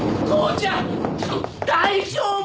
ちょっと大丈夫！？